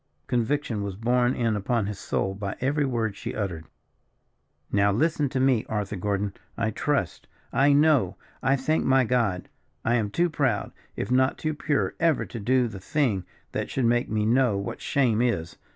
Conviction was borne in upon his soul by every word she uttered. "Now listen to me, Arthur Gordon. I trust, I know, I thank my God! I am too proud, if not too pure, ever to do the thing that should make me know what shame is.